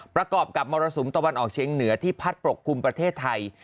ประกอบกับมรสุมตะวันออกเชียงเหนือที่พัดปกคลุมประเทศไทย